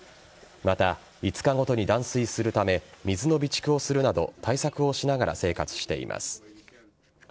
また、５日ごとに断水するため、水の備蓄をするなど、対策をしながら生活しています。